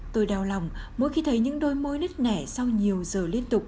tôi đau lòng mỗi khi thấy những đôi môi nít nẻ sau nhiều giờ liên tục